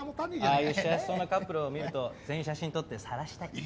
ああいう幸せそうなカップルを見ると全員写真撮ってさらしたい。